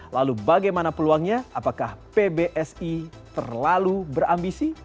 lalu bagaimana peluangnya apakah pbsi terlalu berambisi